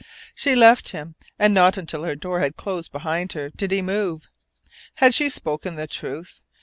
She left him, and not until her door had closed behind her did he move. Had she spoken the truth?